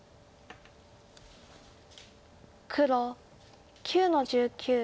黒９の十九。